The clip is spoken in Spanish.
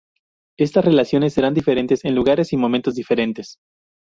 Estas relaciones serán diferentes en lugares y momentos diferentes.